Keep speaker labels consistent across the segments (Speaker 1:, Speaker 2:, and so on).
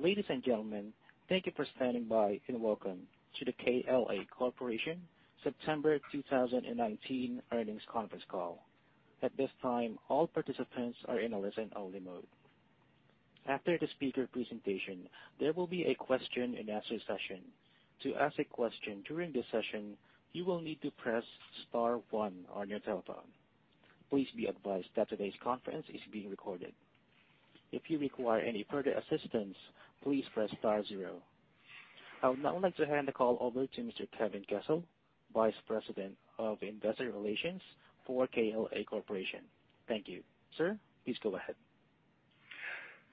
Speaker 1: Ladies and gentlemen, thank you for standing by, and welcome to the KLA Corporation September 2019 earnings conference call. At this time, all participants are in a listen-only mode. After the speaker presentation, there will be a question and answer session. To ask a question during this session, you will need to press star one on your telephone. Please be advised that today's conference is being recorded. If you require any further assistance, please press star zero. I would now like to hand the call over to Mr. Kevin Kessel, Vice President of Investor Relations for KLA Corporation. Thank you. Sir, please go ahead.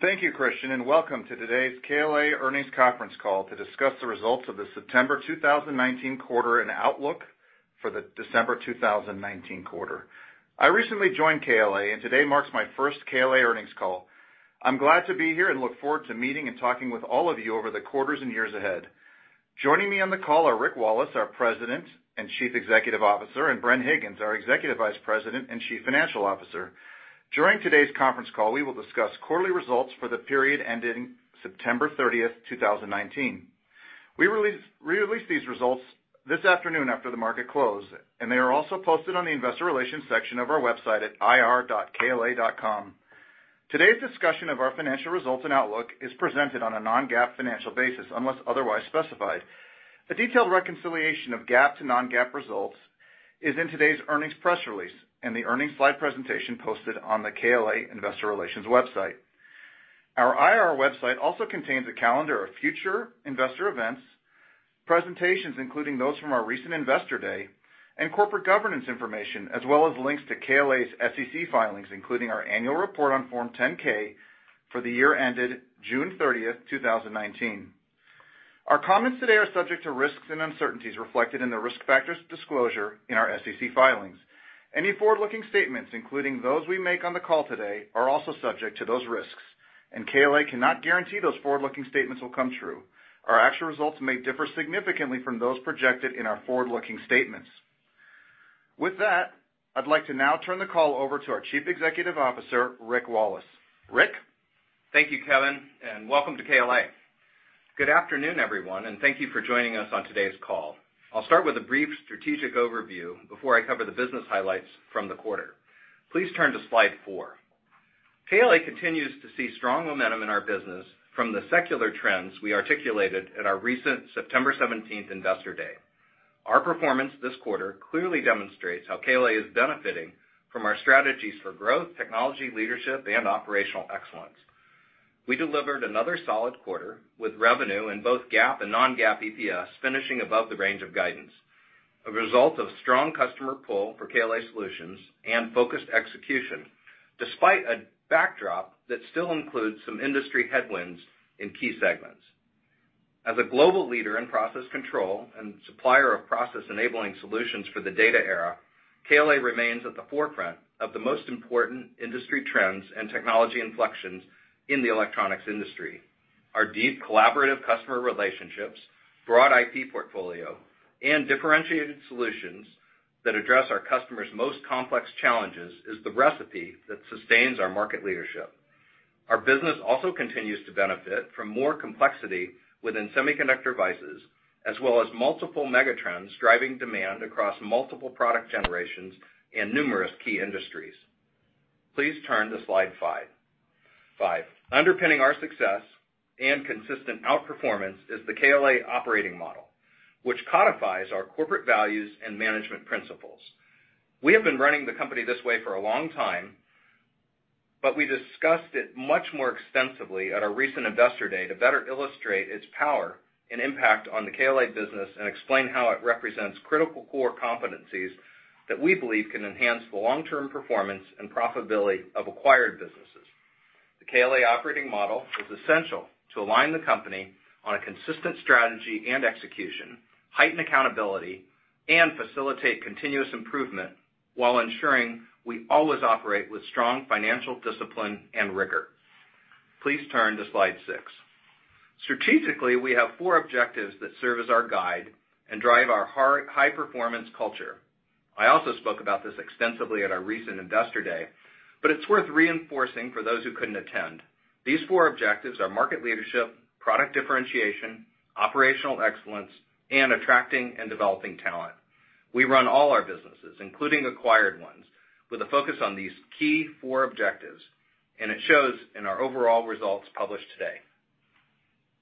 Speaker 2: Thank you, Christian, and welcome to today's KLA earnings conference call to discuss the results of the September 2019 quarter and outlook for the December 2019 quarter. I recently joined KLA, and today marks my first KLA earnings call. I'm glad to be here and look forward to meeting and talking with all of you over the quarters and years ahead. Joining me on the call are Rick Wallace, our President and Chief Executive Officer, and Bren Higgins, our Executive Vice President and Chief Financial Officer. During today's conference call, we will discuss quarterly results for the period ending September 30, 2019. We released these results this afternoon after the market closed, and they are also posted on the investor relations section of our website at ir.kla.com. Today's discussion of our financial results and outlook is presented on a non-GAAP financial basis, unless otherwise specified. A detailed reconciliation of GAAP to non-GAAP results is in today's earnings press release and the earnings slide presentation posted on the KLA investor relations website. Our IR website also contains a calendar of future investor events, presentations, including those from our recent Investor Day, and corporate governance information, as well as links to KLA's SEC filings, including our annual report on Form 10-K for the year ended June 30, 2019. Our comments today are subject to risks and uncertainties reflected in the risk factors disclosure in our SEC filings. Any forward-looking statements, including those we make on the call today, are also subject to those risks, and KLA cannot guarantee those forward-looking statements will come true. Our actual results may differ significantly from those projected in our forward-looking statements. With that, I'd like to now turn the call over to our Chief Executive Officer, Rick Wallace. Rick?
Speaker 3: Thank you, Kevin, welcome to KLA. Good afternoon, everyone, and thank you for joining us on today's call. I'll start with a brief strategic overview before I cover the business highlights from the quarter. Please turn to slide four. KLA continues to see strong momentum in our business from the secular trends we articulated at our recent September 17th Investor Day. Our performance this quarter clearly demonstrates how KLA is benefiting from our strategies for growth, technology leadership, and operational excellence. We delivered another solid quarter, with revenue in both GAAP and non-GAAP EPS finishing above the range of guidance, a result of strong customer pull for KLA Solutions and focused execution, despite a backdrop that still includes some industry headwinds in key segments. As a global leader in process control and supplier of process-enabling solutions for the data era, KLA remains at the forefront of the most important industry trends and technology inflections in the electronics industry. Our deep collaborative customer relationships, broad IP portfolio, and differentiated solutions that address our customers' most complex challenges is the recipe that sustains our market leadership. Our business also continues to benefit from more complexity within semiconductor devices, as well as multiple megatrends driving demand across multiple product generations and numerous key industries. Please turn to slide five. Underpinning our success and consistent outperformance is the KLA Operating Model, which codifies our corporate values and management principles. We have been running the company this way for a long time, but we discussed it much more extensively at our recent Investor Day to better illustrate its power and impact on the KLA business and explain how it represents critical core competencies that we believe can enhance the long-term performance and profitability of acquired businesses. The KLA Operating Model is essential to align the company on a consistent strategy and execution, heighten accountability, and facilitate continuous improvement while ensuring we always operate with strong financial discipline and rigor. Please turn to slide six. Strategically, we have four objectives that serve as our guide and drive our high-performance culture. I also spoke about this extensively at our recent Investor Day, but it's worth reinforcing for those who couldn't attend. These four objectives are market leadership, product differentiation, operational excellence, and attracting and developing talent. We run all our businesses, including acquired ones, with a focus on these key four objectives, and it shows in our overall results published today.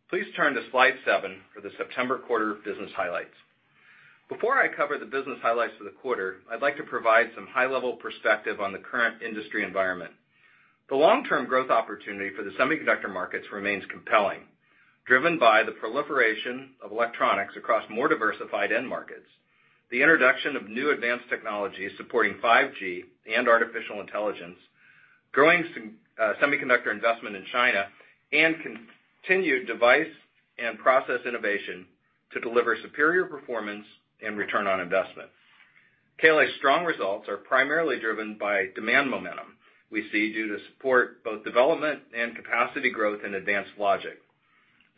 Speaker 3: Please turn to slide seven for the September Quarter business highlights. Before I cover the business highlights for the Quarter, I'd like to provide some high-level perspective on the current industry environment. The long-term growth opportunity for the semiconductor markets remains compelling, driven by the proliferation of electronics across more diversified end markets, the introduction of new advanced technologies supporting 5G and artificial intelligence, growing semiconductor investment in China, and continued device and process innovation to deliver superior performance and return on investment. KLA's strong results are primarily driven by demand momentum we see due to support both development and capacity growth in advanced logic.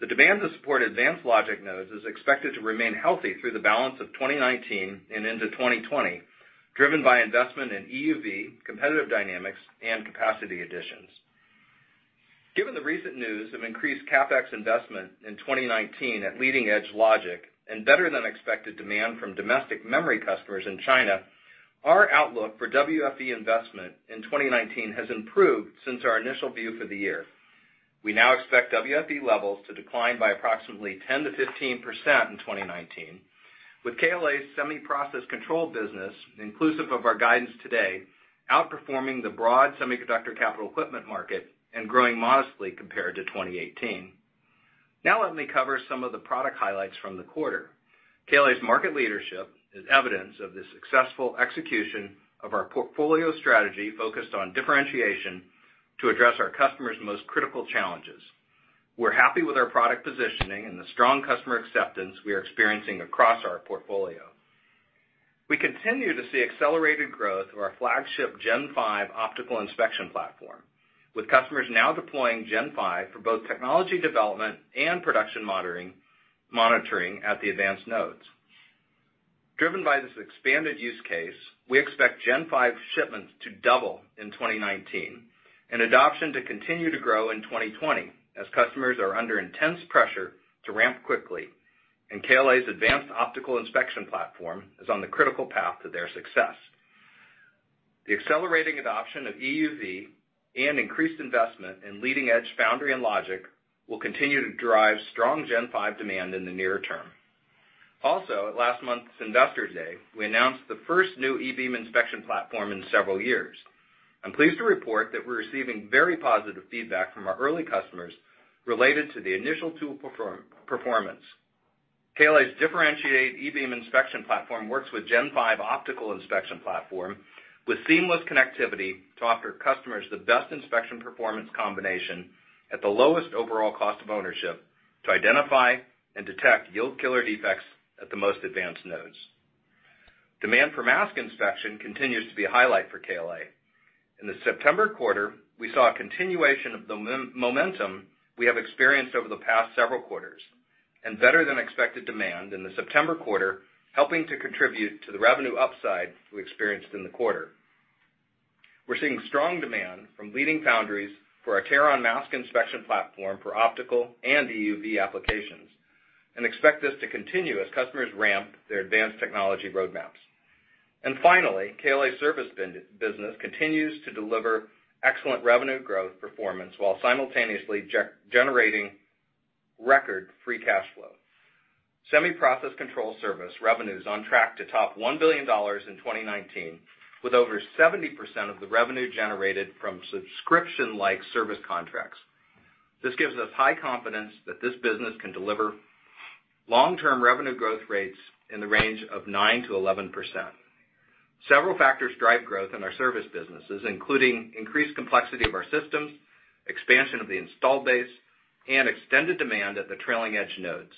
Speaker 3: The demand to support advanced logic nodes is expected to remain healthy through the balance of 2019 and into 2020, driven by investment in EUV, competitive dynamics, and capacity additions. Given the recent news of increased CapEx investment in 2019 at leading-edge logic and better-than-expected demand from domestic memory customers in China, our outlook for WFE investment in 2019 has improved since our initial view for the year. We now expect WFE levels to decline by approximately 10%-15% in 2019, with KLA's Semiconductor Process Control business, inclusive of our guidance today, outperforming the broad semiconductor capital equipment market and growing modestly compared to 2018. Now let me cover some of the product highlights from the quarter. KLA's market leadership is evidence of the successful execution of our portfolio strategy focused on differentiation to address our customers' most critical challenges. We're happy with our product positioning and the strong customer acceptance we are experiencing across our portfolio. We continue to see accelerated growth of our flagship Gen5 optical inspection platform, with customers now deploying Gen5 for both technology development and production monitoring at the advanced nodes. Driven by this expanded use case, we expect Gen5 shipments to double in 2019 and adoption to continue to grow in 2020 as customers are under intense pressure to ramp quickly, and KLA's advanced optical inspection platform is on the critical path to their success. The accelerating adoption of EUV and increased investment in leading-edge foundry and logic will continue to drive strong Gen5 demand in the near term. Also, at last month's Investor Day, we announced the first new e-beam inspection platform in several years. I'm pleased to report that we're receiving very positive feedback from our early customers related to the initial tool performance. KLA's differentiated e-beam inspection platform works with Gen5 optical inspection platform with seamless connectivity to offer customers the best inspection performance combination at the lowest overall cost of ownership to identify and detect yield killer defects at the most advanced nodes. Demand for mask inspection continues to be a highlight for KLA. In the September quarter, we saw a continuation of the momentum we have experienced over the past several quarters, and better than expected demand in the September quarter, helping to contribute to the revenue upside we experienced in the quarter. We're seeing strong demand from leading foundries for our Teron mask inspection platform for optical and EUV applications, and expect this to continue as customers ramp their advanced technology roadmaps. Finally, KLA service business continues to deliver excellent revenue growth performance while simultaneously generating record free cash flow. Semi-Process Control service revenue is on track to top $1 billion in 2019, with over 70% of the revenue generated from subscription-like service contracts. This gives us high confidence that this business can deliver long-term revenue growth rates in the range of 9%-11%. Several factors drive growth in our service businesses, including increased complexity of our systems, expansion of the installed base, and extended demand at the trailing edge nodes.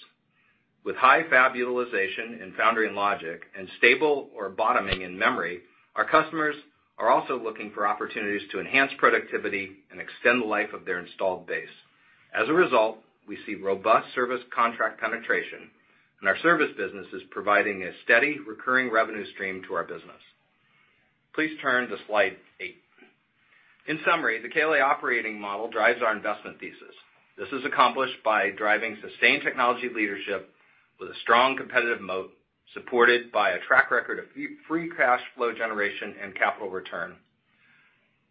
Speaker 3: With high fab utilization in foundry and logic and stable or bottoming in memory, our customers are also looking for opportunities to enhance productivity and extend the life of their installed base. As a result, we see robust service contract penetration, and our service business is providing a steady recurring revenue stream to our business. Please turn to slide eight. In summary, the KLA Operating Model drives our investment thesis. This is accomplished by driving sustained technology leadership with a strong competitive moat, supported by a track record of free cash flow generation and capital return.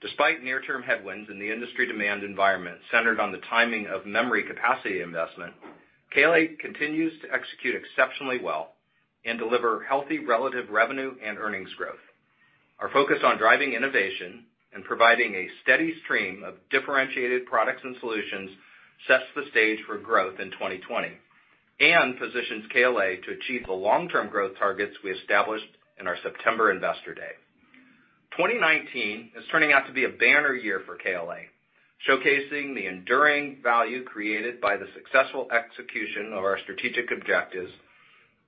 Speaker 3: Despite near-term headwinds in the industry demand environment centered on the timing of memory capacity investment, KLA continues to execute exceptionally well and deliver healthy relative revenue and earnings growth. Our focus on driving innovation and providing a steady stream of differentiated products and solutions sets the stage for growth in 2020 and positions KLA to achieve the long-term growth targets we established in our September Investor Day. 2019 is turning out to be a banner year for KLA, showcasing the enduring value created by the successful execution of our strategic objectives.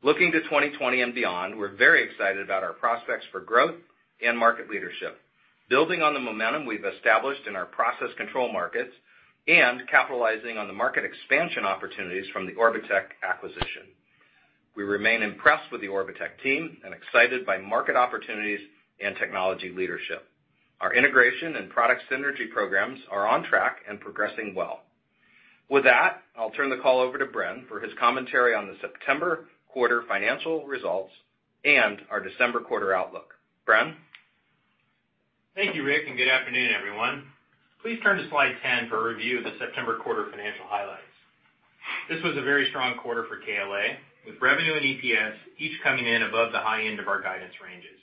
Speaker 3: Looking to 2020 and beyond, we're very excited about our prospects for growth and market leadership, building on the momentum we've established in our process control markets and capitalizing on the market expansion opportunities from the Orbotech acquisition. We remain impressed with the Orbotech team and excited by market opportunities and technology leadership. Our integration and product synergy programs are on track and progressing well. With that, I'll turn the call over to Bren for his commentary on the September quarter financial results and our December quarter outlook. Bren?
Speaker 4: Thank you, Rick, and good afternoon, everyone. Please turn to slide 10 for a review of the September quarter financial highlights. This was a very strong quarter for KLA, with revenue and EPS each coming in above the high end of our guidance ranges.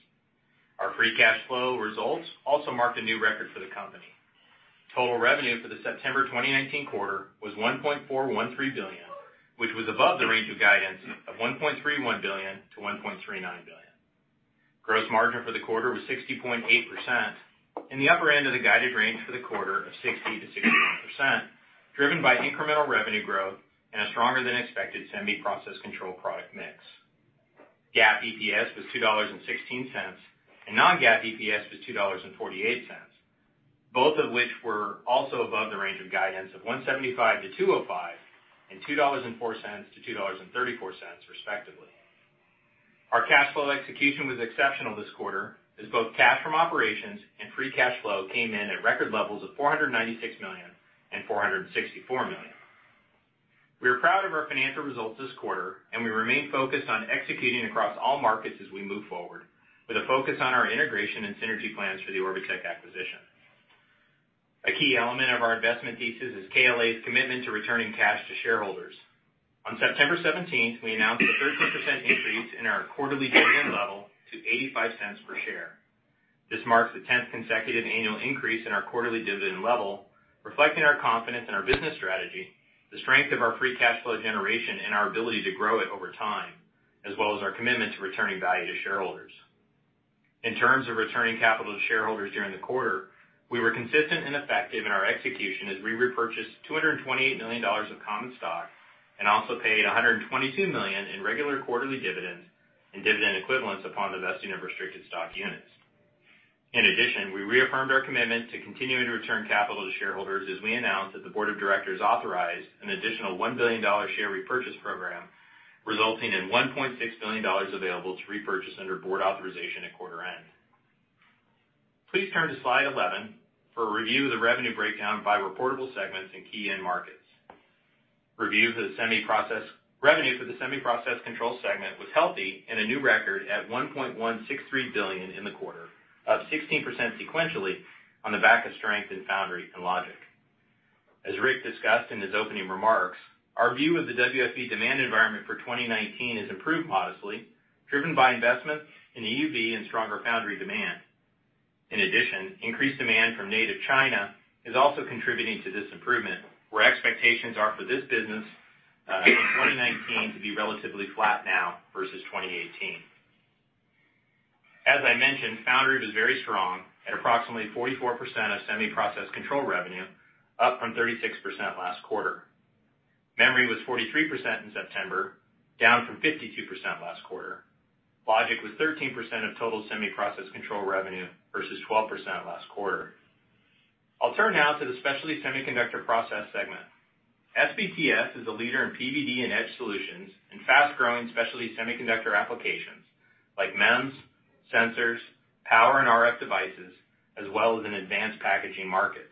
Speaker 4: Our free cash flow results also marked a new record for the company. Total revenue for the September 2019 quarter was $1.413 billion, which was above the range of guidance of $1.31 billion-$1.39 billion. Gross margin for the quarter was 60.8%, in the upper end of the guided range for the quarter of 60%-61%, driven by incremental revenue growth and a stronger-than-expected Semi-Process Control product mix. GAAP EPS was $2.16, and non-GAAP EPS was $2.48, both of which were also above the range of guidance of $1.75-$2.05 and $2.04-$2.34, respectively. Our cash flow execution was exceptional this quarter, as both cash from operations and free cash flow came in at record levels of $496 million and $464 million. We are proud of our financial results this quarter, and we remain focused on executing across all markets as we move forward, with a focus on our integration and synergy plans for the Orbotech acquisition. A key element of our investment thesis is KLA's commitment to returning cash to shareholders. On September 17th, we announced a 13% increase in our quarterly dividend level to $0.85 per share. This marks the 10th consecutive annual increase in our quarterly dividend level, reflecting our confidence in our business strategy, the strength of our free cash flow generation, and our ability to grow it over time, as well as our commitment to returning value to shareholders. In terms of returning capital to shareholders during the quarter, we were consistent and effective in our execution as we repurchased $228 million of common stock and also paid $122 million in regular quarterly dividends and dividend equivalents upon the vesting of restricted stock units. We reaffirmed our commitment to continuing to return capital to shareholders as we announced that the board of directors authorized an additional $1 billion share repurchase program, resulting in $1.6 billion available to repurchase under board authorization at quarter end. Please turn to slide 11 for a review of the revenue breakdown by reportable segments and key end markets. Revenue for the Semiconductor Process Control segment was healthy and a new record at $1.163 billion in the quarter, up 16% sequentially on the back of strength in foundry and logic. As Rick discussed in his opening remarks, our view of the WFE demand environment for 2019 has improved modestly, driven by investments in EUV and stronger foundry demand. In addition, increased demand from native China is also contributing to this improvement, where expectations are for this business, in 2019 to be relatively flat now versus 2018. As I mentioned, foundry was very strong at approximately 44% of Semiprocess Control revenue, up from 36% last quarter. Memory was 43% in September, down from 52% last quarter. Logic was 13% of total Semiprocess Control revenue versus 12% last quarter. I'll turn now to the Specialty Semiconductor Process Segment. SPTS is a leader in PVD and etch solutions in fast-growing specialty semiconductor applications like MEMS, sensors, power and RF devices, as well as in advanced packaging markets.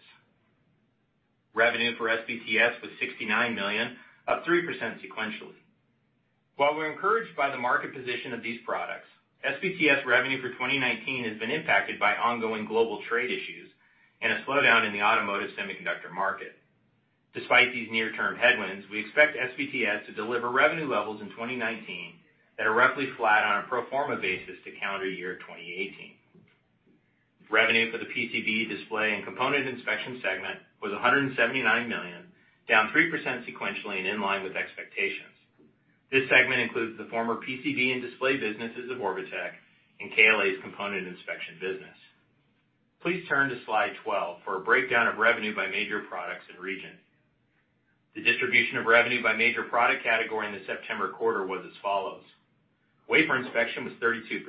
Speaker 4: Revenue for SPTS was $69 million, up 3% sequentially. While we're encouraged by the market position of these products, SPTS revenue for 2019 has been impacted by ongoing global trade issues and a slowdown in the automotive semiconductor market. Despite these near-term headwinds, we expect SPTS to deliver revenue levels in 2019 that are roughly flat on a pro forma basis to calendar year 2018. Revenue for the PCB, display, and component inspection segment was $179 million, down 3% sequentially and in line with expectations. This segment includes the former PCB and display businesses of Orbotech and KLA's component inspection business. Please turn to slide 12 for a breakdown of revenue by major products and region. The distribution of revenue by major product category in the September quarter was as follows: wafer inspection was 32%,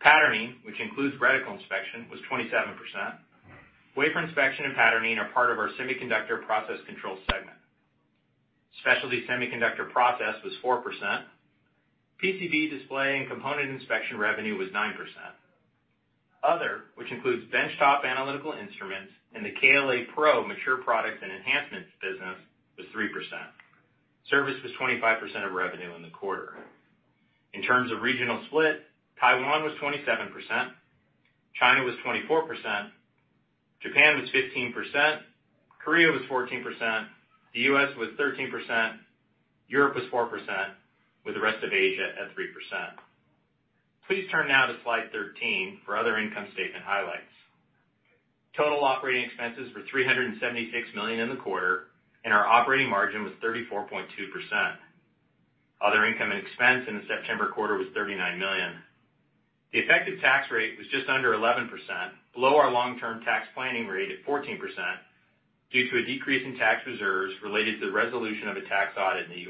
Speaker 4: patterning, which includes reticle inspection, was 27%. Wafer inspection and patterning are part of our Semiconductor Process Control segment. Specialty semiconductor process was 4%. PCB display and component inspection revenue was 9%. Other, which includes benchtop analytical instruments and the KLA Pro mature products and enhancements business, was 3%. Service was 25% of revenue in the quarter. In terms of regional split, Taiwan was 27%, China was 24%, Japan was 15%, Korea was 14%, the U.S. was 13%, Europe was 4%, with the rest of Asia at 3%. Please turn now to slide 13 for other income statement highlights. Total operating expenses were $376 million in the quarter, and our operating margin was 34.2%. Other income and expense in the September quarter was $39 million. The effective tax rate was just under 11%, below our long-term tax planning rate of 14%, due to a decrease in tax reserves related to the resolution of a tax audit in the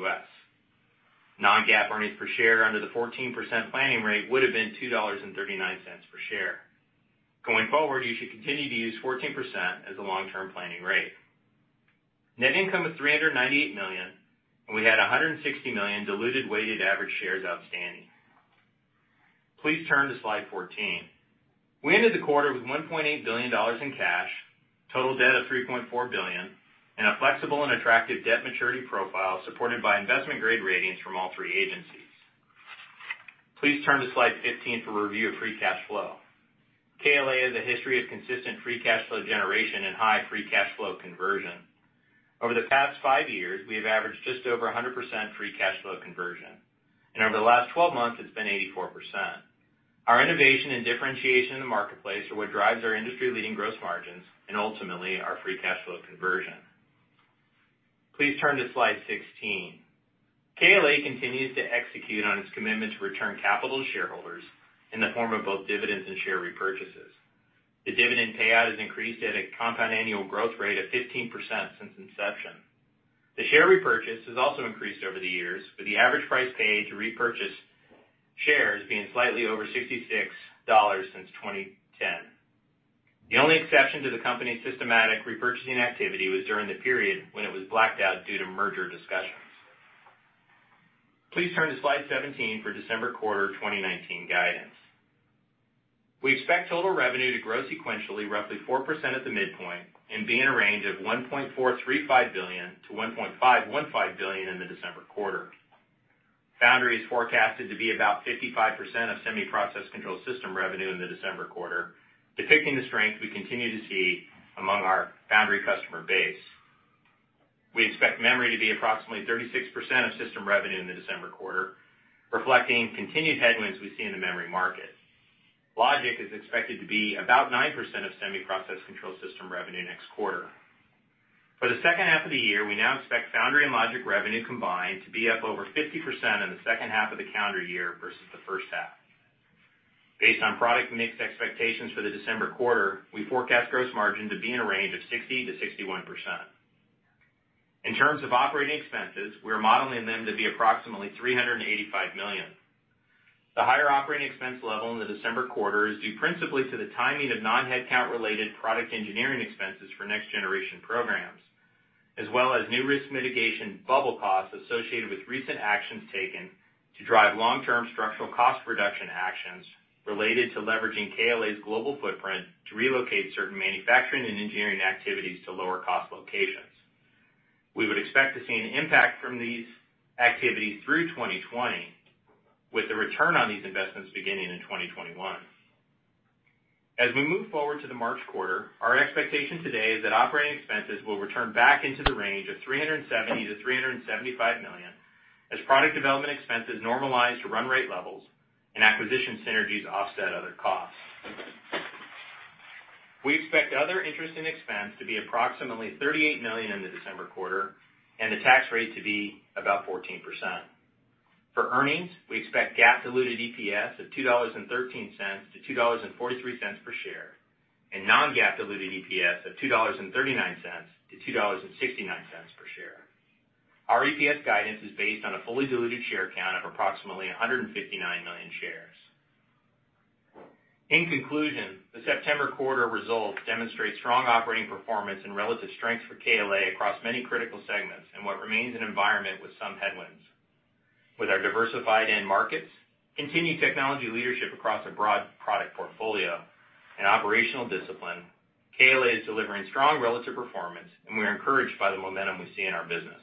Speaker 4: U.S. non-GAAP earnings per share under the 14% planning rate would've been $2.39 per share. Going forward, you should continue to use 14% as the long-term planning rate. Net income was $398 million. We had 160 million diluted weighted average shares outstanding. Please turn to slide 14. We ended the quarter with $1.8 billion in cash, total debt of $3.4 billion, and a flexible and attractive debt maturity profile supported by investment-grade ratings from all three agencies. Please turn to slide 15 for a review of free cash flow. KLA has a history of consistent free cash flow generation and high free cash flow conversion. Over the past five years, we have averaged just over 100% free cash flow conversion. Over the last 12 months, it's been 84%. Our innovation and differentiation in the marketplace are what drives our industry-leading gross margins, ultimately, our free cash flow conversion. Please turn to slide 16. KLA continues to execute on its commitment to return capital to shareholders in the form of both dividends and share repurchases. The dividend payout has increased at a compound annual growth rate of 15% since inception. The share repurchase has also increased over the years, with the average price paid to repurchase shares being slightly over $66 since 2010. The only exception to the company's systematic repurchasing activity was during the period when it was blacked out due to merger discussions. Please turn to slide 17 for December quarter 2019 guidance. We expect total revenue to grow sequentially roughly 4% at the midpoint and be in a range of $1.435 billion to $1.515 billion in the December quarter. Foundry is forecasted to be about 55% of Semi-Process Control system revenue in the December quarter, depicting the strength we continue to see among our foundry customer base. We expect memory to be approximately 36% of system revenue in the December quarter, reflecting continued headwinds we see in the memory market. Logic is expected to be about 9% of Semiconductor Process Control system revenue next quarter. For the second half of the year, we now expect foundry and logic revenue combined to be up over 50% in the second half of the calendar year versus the first half. Based on product mix expectations for the December quarter, we forecast gross margin to be in a range of 60%-61%. In terms of operating expenses, we are modeling them to be approximately $385 million. The higher operating expense level in the December quarter is due principally to the timing of non-headcount-related product engineering expenses for next-generation programs, as well as new risk mitigation bubble costs associated with recent actions taken to drive long-term structural cost reduction actions related to leveraging KLA's global footprint to relocate certain manufacturing and engineering activities to lower-cost locations. We would expect to see an impact from these activities through 2020, with the return on these investments beginning in 2021. As we move forward to the March quarter, our expectation today is that operating expenses will return back into the range of $370 million-$375 million as product development expenses normalize to run rate levels and acquisition synergies offset other costs. We expect other interest and expense to be approximately $38 million in the December quarter, and the tax rate to be about 14%. For earnings, we expect GAAP diluted EPS of $2.13-$2.43 per share, and non-GAAP diluted EPS of $2.39-$2.69 per share. Our EPS guidance is based on a fully diluted share count of approximately 159 million shares. In conclusion, the September quarter results demonstrate strong operating performance and relative strength for KLA across many critical segments in what remains an environment with some headwinds. With our diversified end markets, continued technology leadership across a broad product portfolio, and operational discipline, KLA is delivering strong relative performance, and we are encouraged by the momentum we see in our business.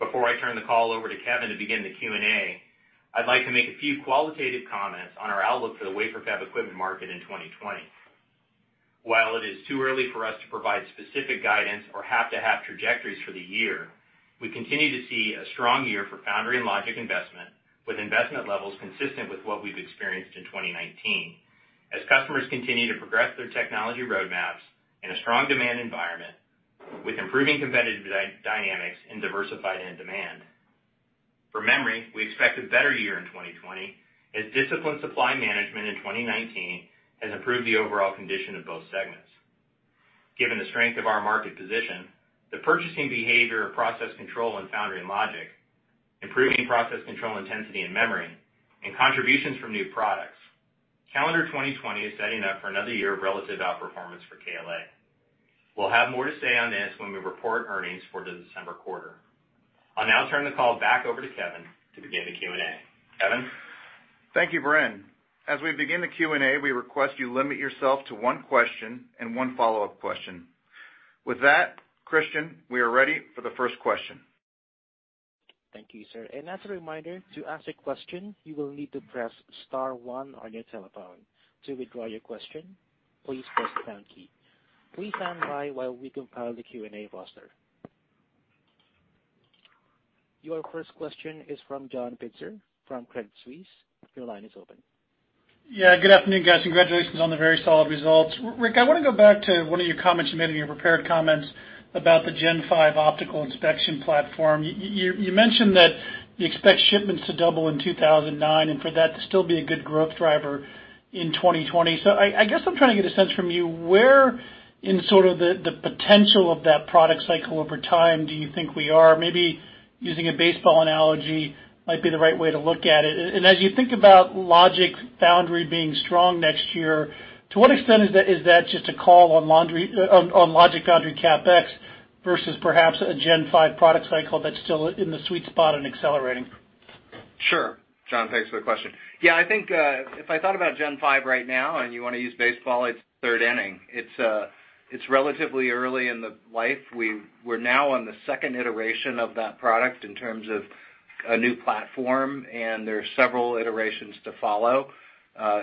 Speaker 4: Before I turn the call over to Kevin to begin the Q&A, I'd like to make a few qualitative comments on our outlook for the wafer fab equipment market in 2020. While it is too early for us to provide specific guidance or half-to-half trajectories for the year, we continue to see a strong year for foundry and logic investment, with investment levels consistent with what we've experienced in 2019, as customers continue to progress their technology roadmaps in a strong demand environment with improving competitive dynamics and diversified end demand. For memory, we expect a better year in 2020, as disciplined supply management in 2019 has improved the overall condition of both segments. Given the strength of our market position, the purchasing behavior of process control in foundry and logic, improving process control intensity in memory, and contributions from new products, calendar 2020 is setting up for another year of relative outperformance for KLA. We'll have more to say on this when we report earnings for the December quarter. I'll now turn the call back over to Kevin to begin the Q&A. Kevin?
Speaker 2: Thank you, Bren. As we begin the Q&A, we request you limit yourself to one question and one follow-up question. With that, Christian, we are ready for the first question.
Speaker 1: Thank you, sir. As a reminder, to ask a question, you will need to press *1 on your telephone. To withdraw your question, please press the pound key. Please stand by while we compile the Q&A roster. Your first question is from John Pitzer from Credit Suisse. Your line is open.
Speaker 5: Good afternoon, guys. Congratulations on the very solid results. Rick, I want to go back to one of your comments you made in your prepared comments about the Gen5 optical inspection platform. You mentioned that you expect shipments to double in 2009 and for that to still be a good growth driver in 2020. I guess I'm trying to get a sense from you, where in sort of the potential of that product cycle over time do you think we are? Maybe using a baseball analogy might be the right way to look at it. As you think about logic foundry being strong next year, to what extent is that just a call on logic foundry CapEx versus perhaps a Gen5 product cycle that's still in the sweet spot and accelerating?
Speaker 4: Sure. John, thanks for the question. Yeah, I think, if I thought about Gen5 right now, and you want to use baseball, it's third inning. It's relatively early in the life. We're now on the second iteration of that product in terms of a new platform, and there are several iterations to follow.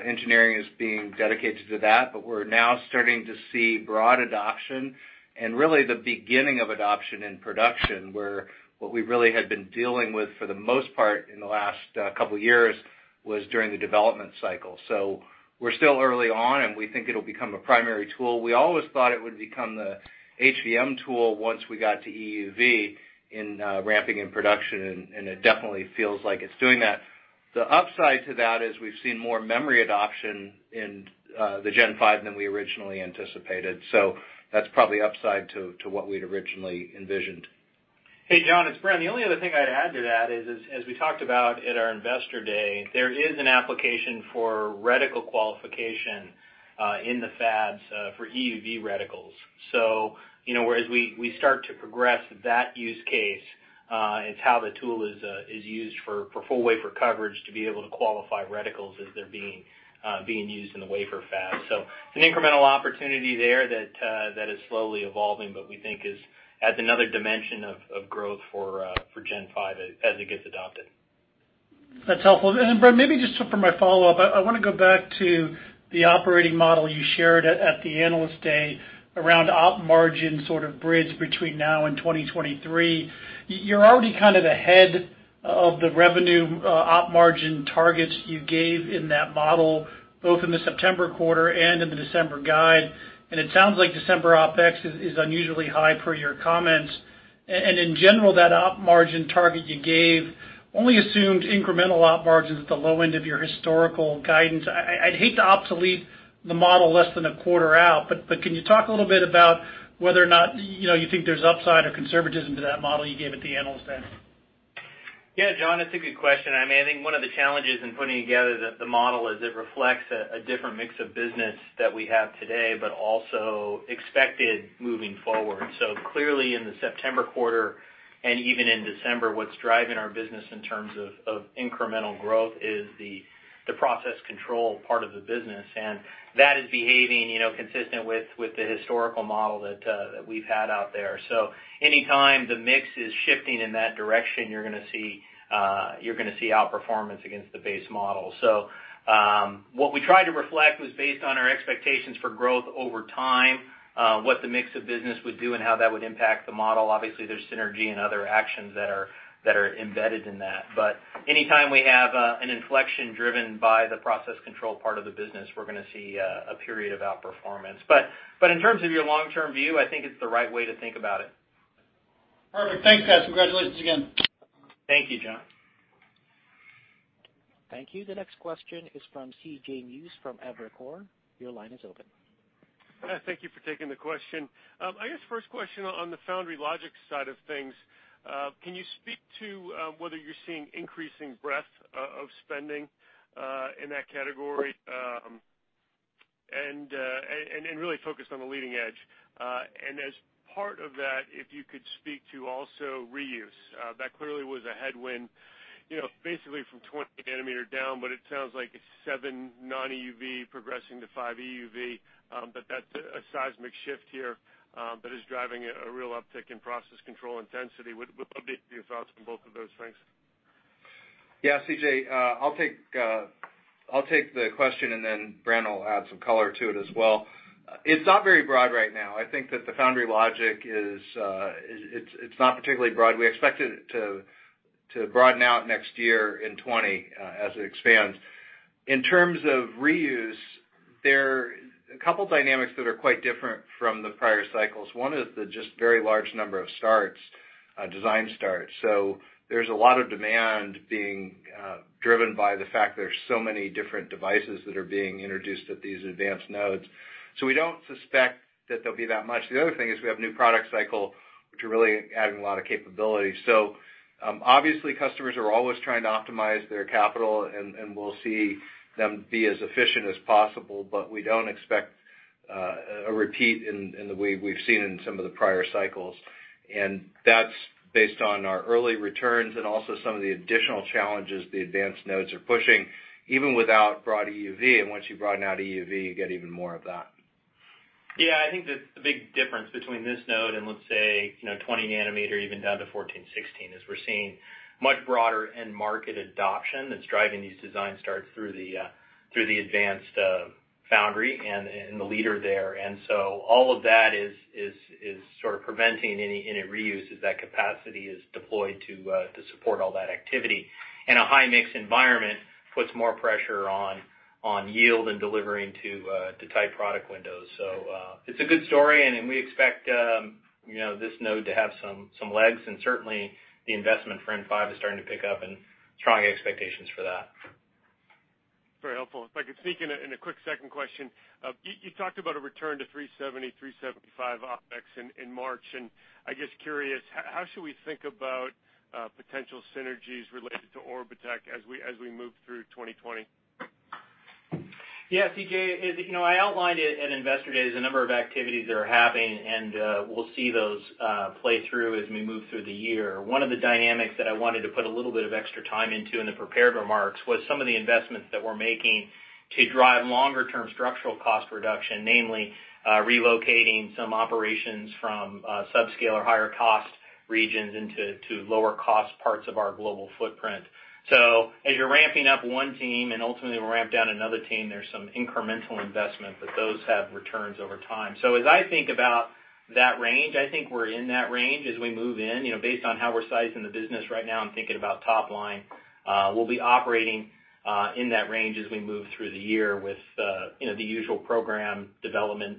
Speaker 4: Engineering is being dedicated to that, but we're now starting to see broad adoption and really the beginning of adoption in production, where what we really had been dealing with for the most part in the last couple years was during the development cycle. We're still early on, and we think it'll become a primary tool. We always thought it would become the HVM tool once we got to EUV in ramping in production, and it definitely feels like it's doing that.
Speaker 3: The upside to that is we've seen more memory adoption in the Gen5 than we originally anticipated. That's probably upside to what we'd originally envisioned.
Speaker 4: Hey, John, it's Bren. The only other thing I'd add to that is, as we talked about at our Investor Day, there is an application for reticle qualification in the fabs for EUV reticles. Whereas we start to progress that use case, it's how the tool is used for full wafer coverage to be able to qualify reticles as they're being used in the wafer fab. It's an incremental opportunity there that is slowly evolving, but we think adds another dimension of growth for Gen 5 as it gets adopted.
Speaker 5: That's helpful. Bren, maybe just for my follow-up, I want to go back to the KLA Operating Model you shared at the Analyst Day around op margin sort of bridge between now and 2023. You're already kind of ahead of the revenue op margin targets you gave in that model, both in the September quarter and in the December guide. It sounds like December OpEx is unusually high per your comments. In general, that op margin target you gave only assumed incremental op margins at the low end of your historical guidance. I'd hate to obsolete the model less than a quarter out, but can you talk a little bit about whether or not you think there's upside or conservatism to that model you gave at the Analyst Day?
Speaker 4: Yeah, John, it's a good question. I think one of the challenges in putting together the model is it reflects a different mix of business that we have today, but also expected moving forward. Clearly, in the September quarter, and even in December, what's driving our business in terms of incremental growth is the Process Control part of the business, and that is behaving consistent with the historical model that we've had out there. Anytime the mix is shifting in that direction, you're going to see outperformance against the base model. What we tried to reflect was based on our expectations for growth over time, what the mix of business would do and how that would impact the model. Obviously, there's synergy and other actions that are embedded in that. Anytime we have an inflection driven by the process control part of the business, we're going to see a period of outperformance. In terms of your long-term view, I think it's the right way to think about it.
Speaker 5: Perfect. Thanks, guys. Congratulations again.
Speaker 4: Thank you, John.
Speaker 1: Thank you. The next question is from C.J. Muse from Evercore. Your line is open.
Speaker 6: Hi. Thank you for taking the question. I guess first question on the foundry logic side of things. Can you speak to whether you're seeing increasing breadth of spending in that category? Really focused on the leading edge. As part of that, if you could speak to also reuse. That clearly was a headwind, basically from 20 nanometer down, but it sounds like it's seven non-EUV progressing to five EUV. That's a seismic shift here that is driving a real uptick in process control intensity. Would love to get your thoughts on both of those things.
Speaker 3: Yeah, C.J. I'll take the question, then Bren will add some color to it as well. It's not very broad right now. I think that the foundry logic is not particularly broad. We expect it to broaden out next year in 2020, as it expands. In terms of reuse, there are a couple of dynamics that are quite different from the prior cycles. One is the just very large number of design starts. There's a lot of demand being driven by the fact there's so many different devices that are being introduced at these advanced nodes. We don't suspect that there'll be that much. The other thing is we have new product cycle, which are really adding a lot of capability. Obviously, customers are always trying to optimize their capital, we'll see them be as efficient as possible, but we don't expect a repeat in the way we've seen in some of the prior cycles. That's based on our early returns and also some of the additional challenges the advanced nodes are pushing, even without broad EUV. Once you broaden out EUV, you get even more of that.
Speaker 4: Yeah, I think the big difference between this node and let's say, 20 nanometer, even down to 14, 16, is we're seeing much broader end market adoption that's driving these design starts through the advanced foundry and the leader there. All of that is sort of preventing any reuse as that capacity is deployed to support all that activity. A high-mix environment puts more pressure on yield and delivering to tight product windows. It's a good story, and we expect this node to have some legs, and certainly the investment for N5 is starting to pick up and strong expectations for that.
Speaker 6: Very helpful. If I could sneak in a quick second question. You talked about a return to $370, $375 OpEx in March. I guess curious, how should we think about potential synergies related to Orbotech as we move through 2020?
Speaker 4: C.J., I outlined it at Investor Day. There's a number of activities that are happening, and we'll see those play through as we move through the year. One of the dynamics that I wanted to put a little bit of extra time into in the prepared remarks was some of the investments that we're making to drive longer-term structural cost reduction, namely relocating some operations from subscale or higher cost regions into lower cost parts of our global footprint. As you're ramping up one team and ultimately we'll ramp down another team, there's some incremental investment, but those have returns over time. As I think about that range, I think we're in that range as we move in. Based on how we're sizing the business right now and thinking about top line, we'll be operating in that range as we move through the year with the usual program development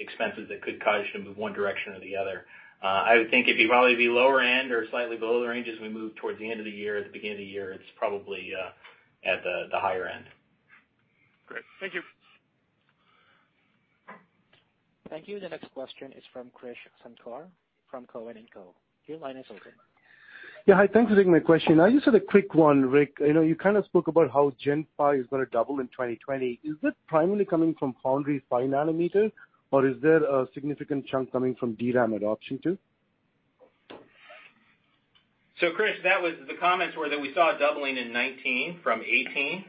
Speaker 4: expenses that could cause you to move one direction or the other. I would think it'd probably be lower end or slightly below the range as we move towards the end of the year. At the beginning of the year, it's probably at the higher end.
Speaker 3: Great. Thank you.
Speaker 1: Thank you. The next question is from Krish Sankar from Cowen and Co. Your line is open.
Speaker 7: Yeah. Hi. Thanks for taking my question. Just a quick one, Rick. You kind of spoke about how Gen5 is going to double in 2020. Is that primarily coming from foundry 5 nanometer, or is there a significant chunk coming from DRAM adoption, too?
Speaker 4: Krish, the comments were that we saw a doubling in 2019 from 2018.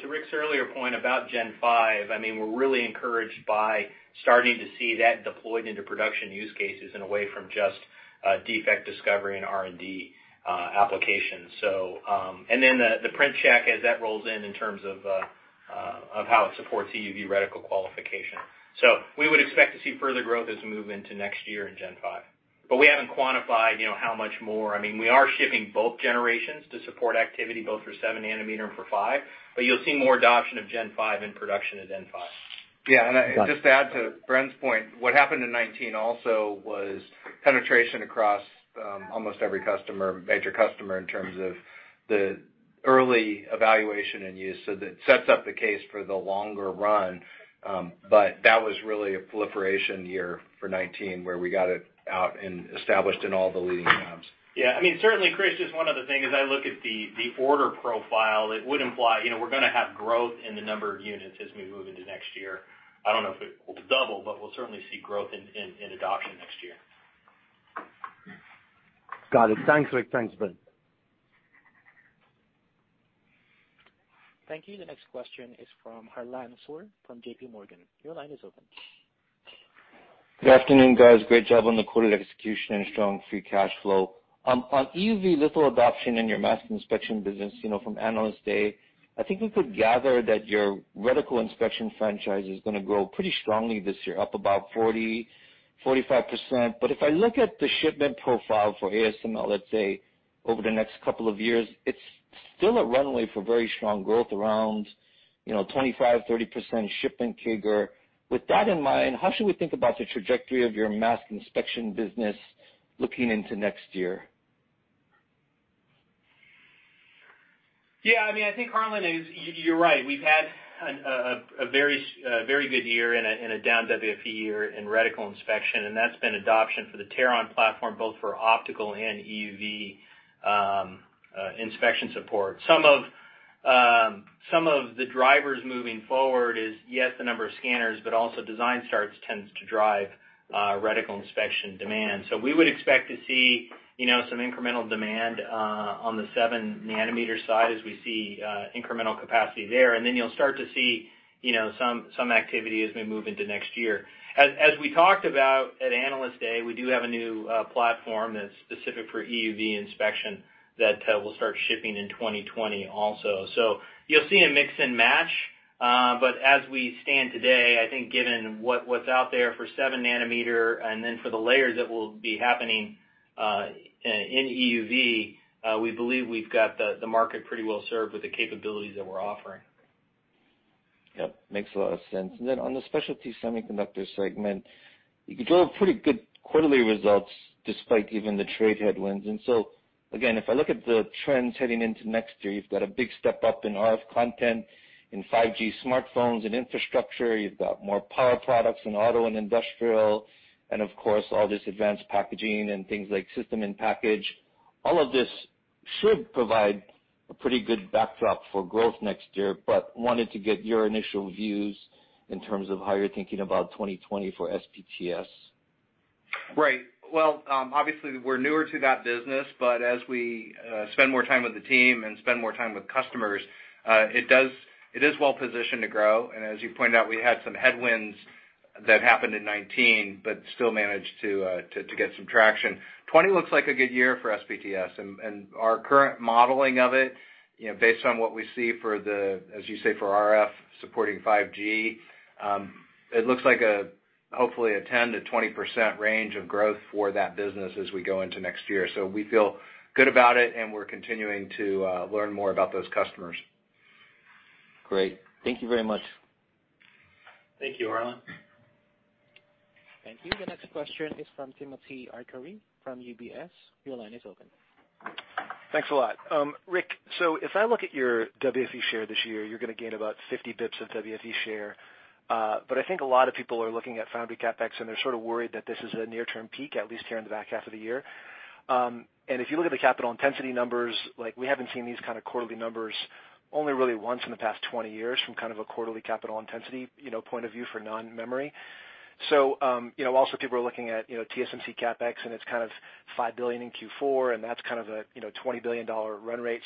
Speaker 4: To Rick's earlier point about Gen5, we're really encouraged by starting to see that deployed into production use cases in a way from just defect discovery and R&D applications. The print check as that rolls in terms of how it supports EUV reticle qualification. We would expect to see further growth as we move into next year in Gen5. We haven't quantified how much more. We are shipping both generations to support activity, both for seven nanometer and for five, but you'll see more adoption of Gen5 in production of Gen5.
Speaker 3: Yeah. Just to add to Bren's point, what happened in 2019 also was penetration across almost every major customer in terms of the early evaluation and use. That sets up the case for the longer run. That was really a proliferation year for 2019, where we got it out and established in all the leading nodes.
Speaker 4: Yeah. Certainly Krish, just one other thing. As I look at the order profile, it would imply we're going to have growth in the number of units as we move into next year. I don't know if it will double, but we'll certainly see growth in adoption next year.
Speaker 7: Got it. Thanks, Rick. Thanks, Bren.
Speaker 1: Thank you. The next question is from Harlan Sur from J.P. Morgan. Your line is open.
Speaker 8: Good afternoon, guys. Great job on the quarter execution and strong free cash flow. On EUV little adoption in your mask inspection business from Analyst Day, I think we could gather that your reticle inspection franchise is going to grow pretty strongly this year, up about 40%-45%. If I look at the shipment profile for ASML, let's say over the next couple of years, it's still a runway for very strong growth around 25%-30% shipment CAGR. With that in mind, how should we think about the trajectory of your mask inspection business looking into next year?
Speaker 4: Yeah, I think Harlan, you're right. We've had a very good year in a down WFE year in reticle inspection, and that's been adoption for the Teron platform, both for optical and EUV inspection support. Some of the drivers moving forward is, yes, the number of scanners, but also design starts tends to drive reticle inspection demand. We would expect to see some incremental demand on the seven-nanometer side as we see incremental capacity there, and then you'll start to see some activity as we move into next year. As we talked about at Analyst Day, we do have a new platform that's specific for EUV inspection that will start shipping in 2020 also. You'll see a mix and match. As we stand today, I think given what's out there for 7 nanometer, and then for the layers that will be happening in EUV, we believe we've got the market pretty well served with the capabilities that we're offering.
Speaker 8: Yep, makes a lot of sense. Then on the specialty semiconductor segment, you drove pretty good quarterly results despite even the trade headwinds. So again, if I look at the trends heading into next year, you've got a big step-up in RF content, in 5G smartphones and infrastructure. You've got more power products in auto and industrial, and of course, all this advanced packaging and things like system in package. All of this should provide a pretty good backdrop for growth next year, but wanted to get your initial views in terms of how you're thinking about 2020 for SPTS.
Speaker 3: Right. Well, obviously we're newer to that business, but as we spend more time with the team and spend more time with customers, it is well-positioned to grow. As you pointed out, we had some headwinds that happened in 2019, but still managed to get some traction. 2020 looks like a good year for SPTS, our current modeling of it, based on what we see for the, as you say, for RF supporting 5G, it looks like hopefully a 10%-20% range of growth for that business as we go into next year. We feel good about it, we're continuing to learn more about those customers.
Speaker 8: Great. Thank you very much.
Speaker 4: Thank you, Harlan.
Speaker 1: Thank you. The next question is from Timothy Arcuri from UBS. Your line is open.
Speaker 9: Thanks a lot. Rick, if I look at your WFE share this year, you're going to gain about 50 basis points of WFE share. I think a lot of people are looking at foundry CapEx, and they're sort of worried that this is a near-term peak, at least here in the back half of the year. If you look at the capital intensity numbers, we haven't seen these kind of quarterly numbers only really once in the past 20 years from kind of a quarterly capital intensity point of view for non-memory. Also, people are looking at TSMC CapEx, and it's kind of $5 billion in Q4, and that's kind of a $20 billion run rate.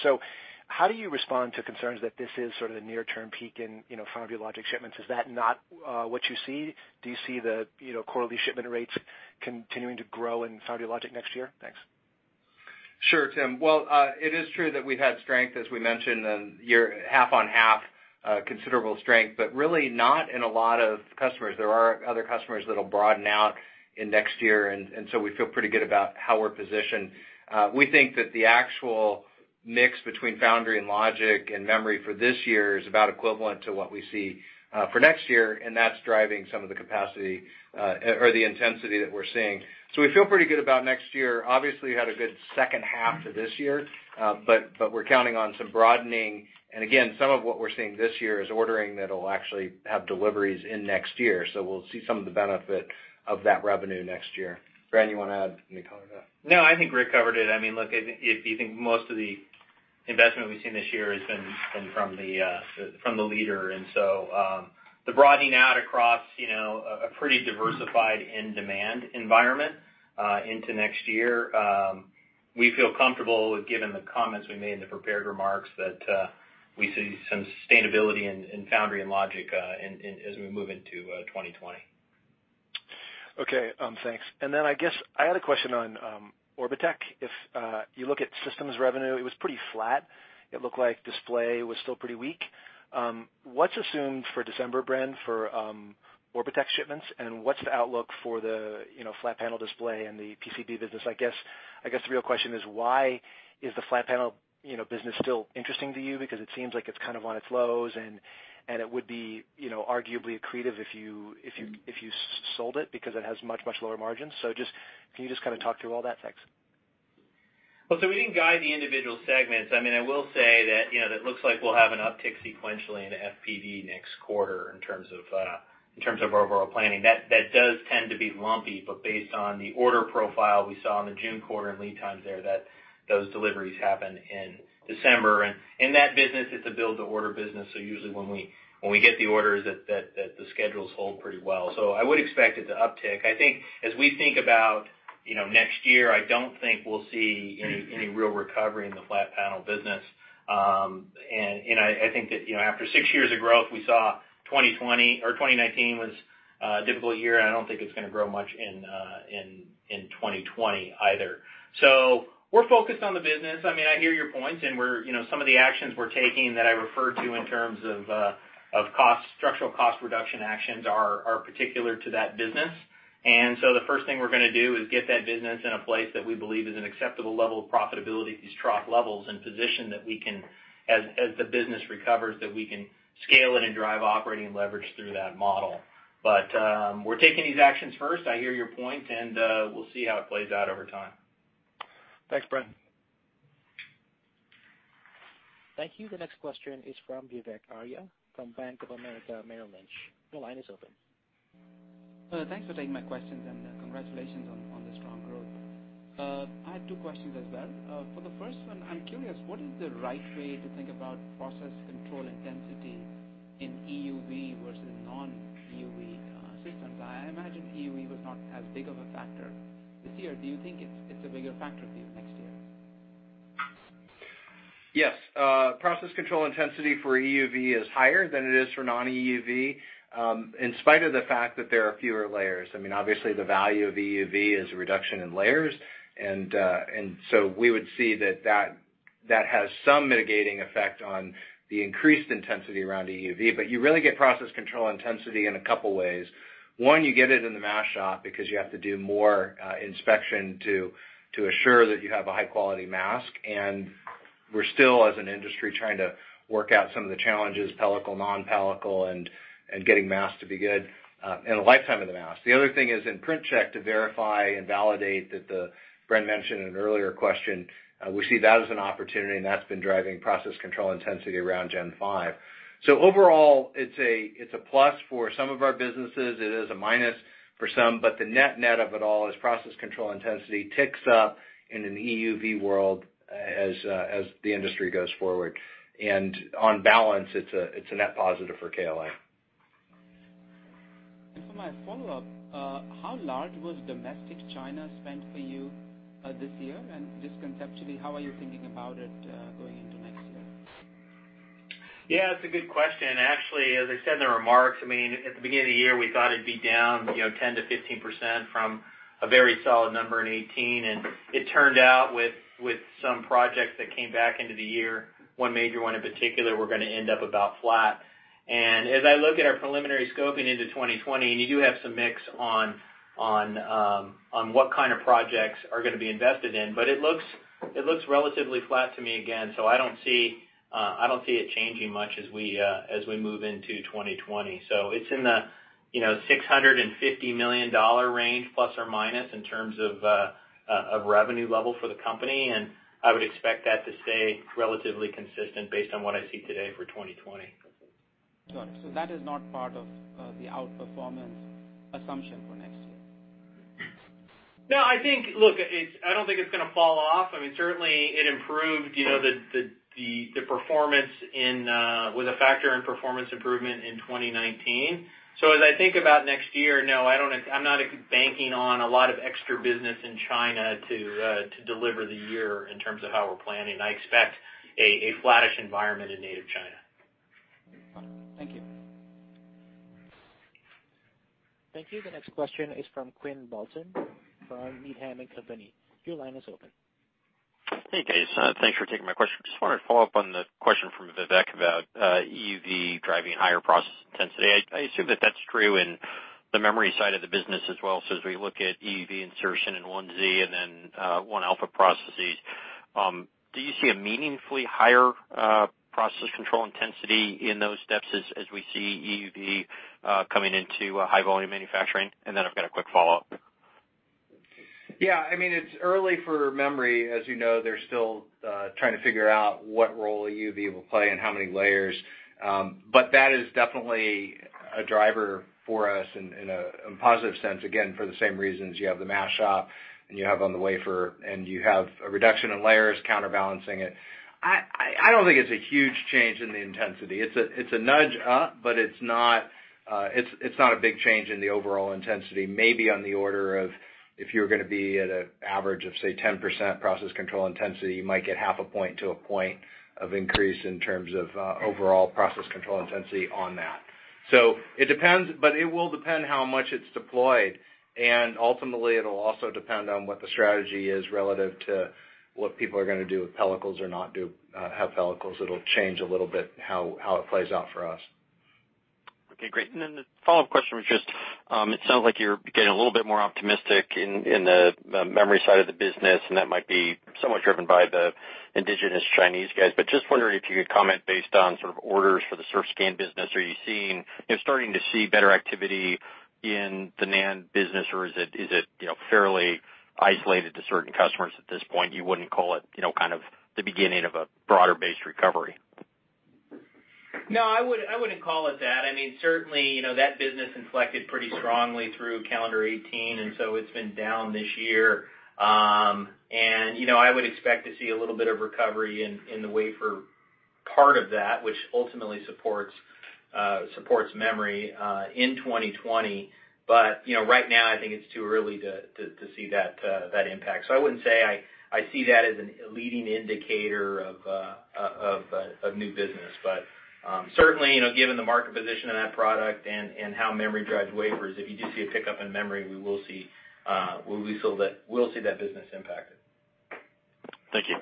Speaker 9: How do you respond to concerns that this is sort of the near-term peak in foundry logic shipments? Is that not what you see? Do you see the quarterly shipment rates continuing to grow in foundry logic next year? Thanks.
Speaker 4: Sure, Tim. Well, it is true that we've had strength, as we mentioned, half on half.
Speaker 3: considerable strength, but really not in a lot of customers. There are other customers that'll broaden out in next year. We feel pretty good about how we're positioned. We think that the actual mix between foundry and logic and memory for this year is about equivalent to what we see for next year, and that's driving some of the capacity or the intensity that we're seeing. We feel pretty good about next year. Obviously, we had a good second half to this year. We're counting on some broadening, and again, some of what we're seeing this year is ordering that'll actually have deliveries in next year, so we'll see some of the benefit of that revenue next year. Bren, you want to add anything to that?
Speaker 4: No, I think Rick covered it. Look, if you think most of the investment we've seen this year has been from the leader. The broadening out across a pretty diversified end demand environment, into next year, we feel comfortable given the comments we made in the prepared remarks that we see some sustainability in foundry and logic as we move into 2020.
Speaker 9: Okay. Thanks. I guess I had a question on Orbotech. If you look at systems revenue, it was pretty flat. It looked like display was still pretty weak. What's assumed for December, Bren, for Orbotech shipments, and what's the outlook for the flat panel display and the PCB business? I guess the real question is why is the flat panel business still interesting to you? It seems like it's kind of on its lows, and it would be arguably accretive if you sold it because it has much, much lower margins. Can you just kind of talk through all that? Thanks.
Speaker 4: Well, we didn't guide the individual segments. I will say that it looks like we'll have an uptick sequentially in FPD next quarter in terms of overall planning. That does tend to be lumpy, based on the order profile we saw in the June quarter and lead times there, that those deliveries happen in December. In that business, it's a build-to-order business, usually when we get the orders that the schedules hold pretty well. I would expect it to uptick. I think as we think about next year, I don't think we'll see any real recovery in the flat panel business. I think that after six years of growth, we saw 2020 or 2019 was a difficult year, I don't think it's going to grow much in 2020 either. We're focused on the business. I hear your points and some of the actions we're taking that I referred to in terms of structural cost reduction actions are particular to that business. The first thing we're going to do is get that business in a place that we believe is an acceptable level of profitability at these trough levels, and position that as the business recovers, that we can scale it and drive operating leverage through that model. We're taking these actions first. I hear your point, and we'll see how it plays out over time.
Speaker 9: Thanks, Bren.
Speaker 1: Thank you. The next question is from Vivek Arya from Bank of America Merrill Lynch. Your line is open.
Speaker 10: Thanks for taking my questions, and congratulations on the strong growth. I had two questions as well. For the first one, I'm curious, what is the right way to think about process control intensity in EUV versus non-EUV systems? I imagine EUV was not as big of a factor this year. Do you think it's a bigger factor for you next year?
Speaker 3: Yes. Process control intensity for EUV is higher than it is for non-EUV, in spite of the fact that there are fewer layers. Obviously, the value of EUV is a reduction in layers. We would see that has some mitigating effect on the increased intensity around EUV. You really get process control intensity in a couple ways. One, you get it in the mask shop because you have to do more inspection to assure that you have a high-quality mask. We're still, as an industry, trying to work out some of the challenges, pellicle, non-pellicle, and getting masks to be good in the lifetime of the mask. The other thing is in print check to verify and validate that the, Bren mentioned in an earlier question, we see that as an opportunity, and that's been driving process control intensity around Gen5. Overall, it's a plus for some of our businesses. It is a minus for some, but the net-net of it all is Process Control intensity ticks up in an EUV world as the industry goes forward. On balance, it's a net positive for KLA.
Speaker 10: For my follow-up, how large was domestic China spend for you this year? Just conceptually, how are you thinking about it going into next year?
Speaker 4: It's a good question. Actually, as I said in the remarks, at the beginning of the year, we thought it'd be down 10%-15% from a very solid number in 2018, and it turned out with some projects that came back into the year, one major one in particular, we're going to end up about flat. As I look at our preliminary scoping into 2020, and you do have some mix on what kind of projects are going to be invested in. It looks relatively flat to me again, so I don't see it changing much as we move into 2020. It's in the $650 million range, plus or minus, in terms of revenue level for the company, and I would expect that to stay relatively consistent based on what I see today for 2020.
Speaker 10: Got it. That is not part of the outperformance assumption for next year.
Speaker 4: No, I don't think it's going to fall off. Certainly, it improved the performance, was a factor in performance improvement in 2019. As I think about next year, no, I'm not banking on a lot of extra business in China to deliver the year in terms of how we're planning. I expect a flattish environment in native China.
Speaker 10: Got it. Thank you.
Speaker 1: Thank you. The next question is from Quinn Bolton from Needham & Company. Your line is open.
Speaker 11: Hey, guys. Thanks for taking my question. Just wanted to follow up on the question from Vivek about EUV driving higher process intensity. I assume that that's true in the memory side of the business as well. As we look at EUV insertion in 1Z and then 1-alpha processes, do you see a meaningfully higher process control intensity in those steps as we see EUV coming into high volume manufacturing? I've got a quick follow-up.
Speaker 4: Yeah. It's early for memory. As you know, they're still trying to figure out what role EUV will play and how many layers. That is definitely a driver for us in a positive sense, again, for the same reasons. You have the mask shop, and you have on the wafer, and you have a reduction in layers counterbalancing it. I don't think it's a huge change in the intensity. It's a nudge up, it's not a big change in the overall intensity. Maybe on the order of, if you're going to be at an average of, say, 10% process control intensity, you might get half a point to a point of increase in terms of overall process control intensity on that. It depends, but it will depend how much it is deployed, and ultimately, it will also depend on what the strategy is relative to what people are going to do with pellicles or not do have pellicles. It will change a little bit how it plays out for us.
Speaker 11: Okay, great. The follow-up question was just, it sounds like you're getting a little bit more optimistic in the memory side of the business, and that might be somewhat driven by the indigenous Chinese guys. Just wondering if you could comment based on sort of orders for the Surfscan business. Are you starting to see better activity in the NAND business, or is it fairly isolated to certain customers at this point? You wouldn't call it kind of the beginning of a broader-based recovery?
Speaker 4: No, I wouldn't call it that. Certainly, that business inflected pretty strongly through calendar 2018, and so it's been down this year. I would expect to see a little bit of recovery in the wafer part of that, which ultimately supports memory in 2020. Right now, I think it's too early to see that impact. I wouldn't say I see that as a leading indicator of new business. Certainly, given the market position of that product and how memory drives wafers, if you do see a pickup in memory, we'll see that business impacted.
Speaker 11: Thank you.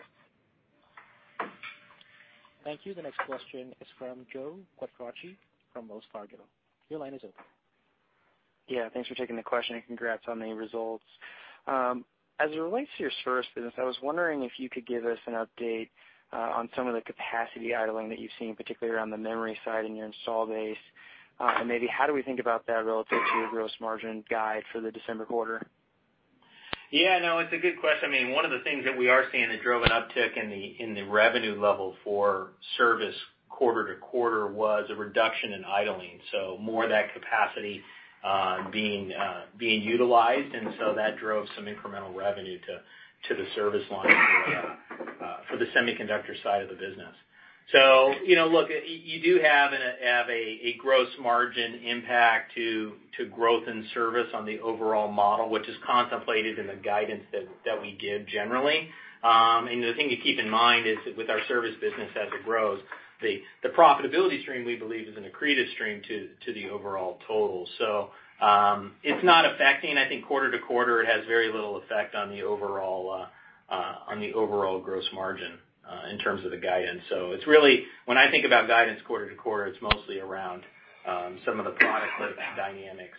Speaker 1: Thank you. The next question is from Joseph Quattrocchi from Wells Fargo. Your line is open.
Speaker 12: Yeah, thanks for taking the question, and congrats on the results. As it relates to your service business, I was wondering if you could give us an update on some of the capacity idling that you've seen, particularly around the memory side in your install base. Maybe how do we think about that relative to your gross margin guide for the December quarter?
Speaker 4: Yeah, no, it's a good question. One of the things that we are seeing that drove an uptick in the revenue level for service quarter-to-quarter was a reduction in idling, so more of that capacity being utilized, and so that drove some incremental revenue to the service line for the semiconductor side of the business. Look, you do have a gross margin impact to growth in service on the overall model, which is contemplated in the guidance that we give generally. The thing to keep in mind is that with our service business as it grows, the profitability stream, we believe, is an accretive stream to the overall total. It's not affecting. I think quarter-to-quarter, it has very little effect on the overall gross margin in terms of the guidance. When I think about guidance quarter to quarter, it's mostly around some of the product mix dynamics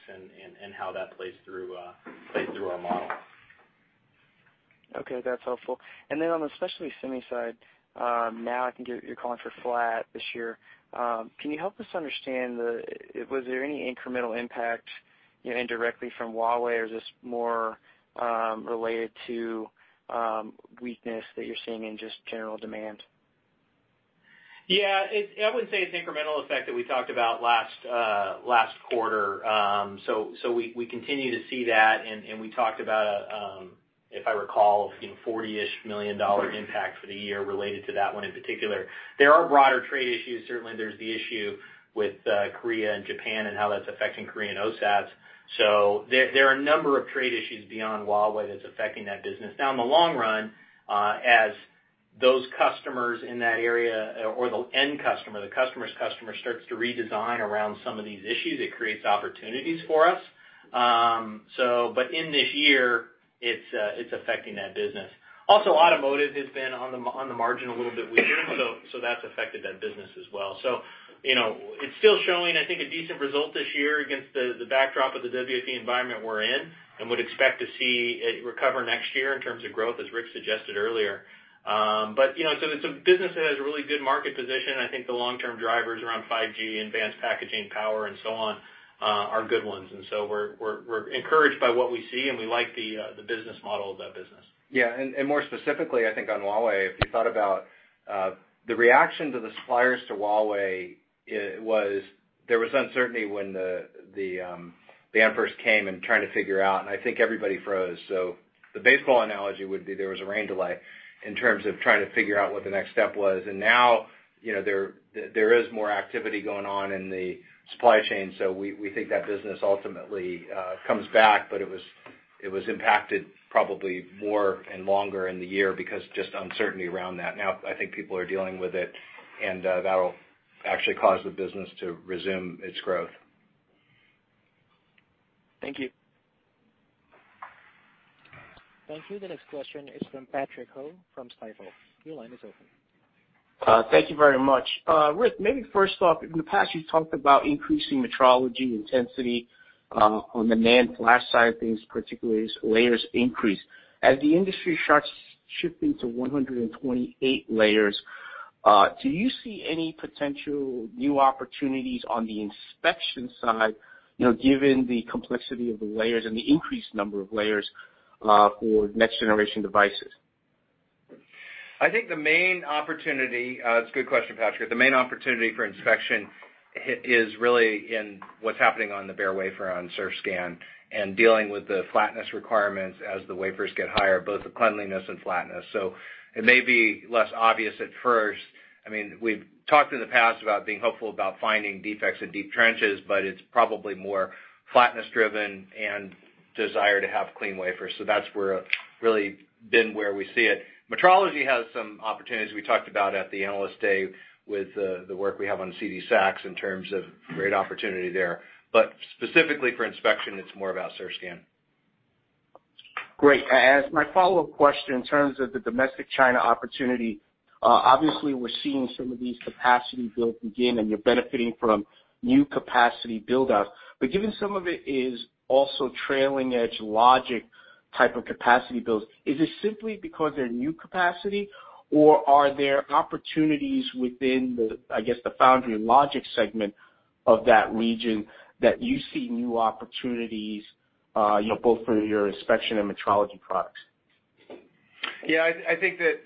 Speaker 4: and how that plays through our model.
Speaker 12: Okay, that's helpful. On the specialty semi side, now I can get you're calling for flat this year. Can you help us understand, was there any incremental impact indirectly from Huawei, or is this more related to weakness that you're seeing in just general demand?
Speaker 4: I would say it's incremental effect that we talked about last quarter. We continue to see that, and we talked about, if I recall, $40 million impact for the year related to that one in particular. There are broader trade issues. Certainly, there's the issue with Korea and Japan and how that's affecting Korean OSATs. There are a number of trade issues beyond Huawei that's affecting that business. In the long run, as those customers in that area or the end customer, the customer's customer starts to redesign around some of these issues, it creates opportunities for us. In this year, it's affecting that business. Automotive has been on the margin a little bit weaker, so that's affected that business as well. It's still showing, I think, a decent result this year against the backdrop of the WFE environment we're in and would expect to see it recover next year in terms of growth, as Rick suggested earlier. It's a business that has a really good market position. I think the long-term drivers around 5G, advanced packaging, power, and so on are good ones. We're encouraged by what we see, and we like the business model of that business. Yeah. More specifically, I think on Huawei, if you thought about the reaction to the suppliers to Huawei, there was uncertainty when the ban first came and trying to figure out, and I think everybody froze. The baseball analogy would be there was a rain delay in terms of trying to figure out what the next step was. Now, there is more activity going on in the supply chain, we think that business ultimately comes back, it was.
Speaker 3: It was impacted probably more and longer in the year because of just uncertainty around that. Now, I think people are dealing with it, and that'll actually cause the business to resume its growth.
Speaker 12: Thank you.
Speaker 1: Thank you. The next question is from Patrick Ho from Stifel. Your line is open.
Speaker 13: Thank you very much. Rick, maybe first off, in the past, you talked about increasing metrology intensity on the NAND flash side of things, particularly as layers increase. As the industry starts shifting to 128 layers, do you see any potential new opportunities on the inspection side, given the complexity of the layers and the increased number of layers for next generation devices?
Speaker 3: I think the main opportunity, it's a good question, Patrick, the main opportunity for inspection is really in what's happening on the bare wafer on Surfscan, and dealing with the flatness requirements as the wafers get higher, both the cleanliness and flatness. It may be less obvious at first. We've talked in the past about being hopeful about finding defects in deep trenches, but it's probably more flatness-driven and desire to have clean wafers. That's really been where we see it. Metrology has some opportunities we talked about at the Analyst Day with the work we have on CD-SAXS in terms of great opportunity there. Specifically for inspection, it's more about Surfscan.
Speaker 13: Great. As my follow-up question, in terms of the domestic China opportunity, obviously we're seeing some of these capacity builds begin, and you're benefiting from new capacity build-outs. Given some of it is also trailing edge logic type of capacity builds, is it simply because they're new capacity or are there opportunities within the, I guess, the foundry logic segment of that region that you see new opportunities, both for your inspection and metrology products?
Speaker 3: Yeah, I think that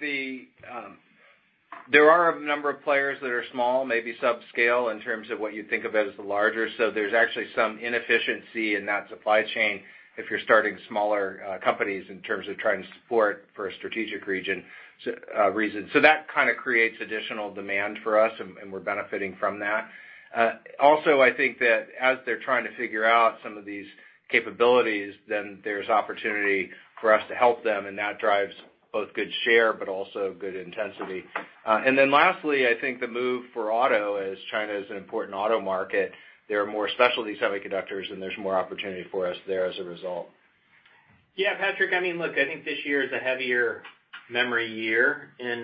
Speaker 3: there are a number of players that are small, maybe sub-scale in terms of what you'd think of as the larger. There's actually some inefficiency in that supply chain if you're starting smaller companies in terms of trying to support for a strategic region reason. That kind of creates additional demand for us, and we're benefiting from that. Also, I think that as they're trying to figure out some of these capabilities, then there's opportunity for us to help them, and that drives both good share, but also good intensity. Lastly, I think the move for auto is China is an important auto market. There are more specialties semiconductors, and there's more opportunity for us there as a result.
Speaker 4: Yeah, Patrick, look, I think this year is a heavier memory year in